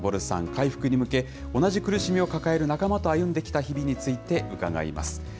回復に向け、同じ苦しみを抱える仲間と歩んできた日々について伺います。